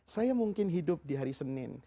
saya mungkin hidup di hari senin